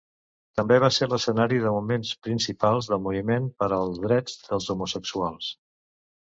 També va ser l'escenari de moments principals del Moviment per als drets dels homosexuals.